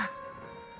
kata bang ojek